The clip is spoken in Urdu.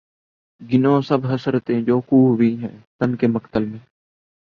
گنو سب حسرتیں جو خوں ہوئی ہیں تن کے مقتل میں